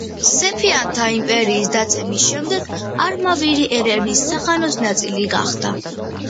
სეფიანთა იმპერიის დაცემის შემდეგ, არმავირი ერევნის სახანოს ნაწილი გახდა.